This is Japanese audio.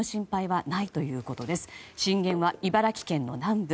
震源は茨城県の南部。